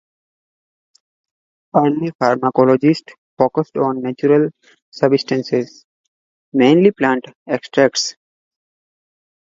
Early pharmacologists focused on natural substances, mainly plant extracts.